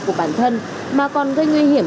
của bản thân mà còn gây nguy hiểm